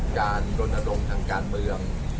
การรนรมทางการเมือง